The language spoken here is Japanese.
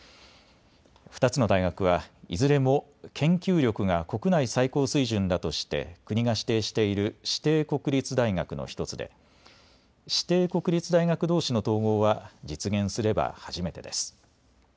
２つの大学はいずれも研究力が国内最高水準だとして国が指定している指定国立大学の１つで指定国立大学どうしの統合は実現すれば初めてです。